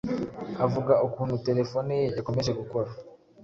Avuga ukuntu telefone ye yakomeje gukora,